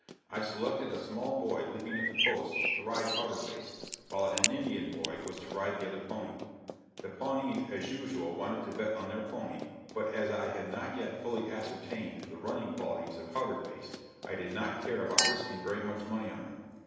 I selected a small boy, living at the post to ride Powder Face, while an Indian boy was to ride the other pony. The Pawnees as usual wanted to bet on their pony, but as I had not yet fully ascertained the running qualities of Powder Face, I did not care about risking very much money on him.